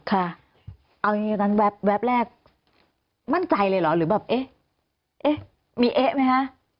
ค่ะเอาอย่างนี้ตอนนั้นแวบแรกมั่นใจเลยเหรอหรือแบบเอ๊ะมีเอ๊ะไหมคะ